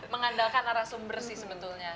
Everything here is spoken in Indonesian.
mengandalkan arah sumber sih sebetulnya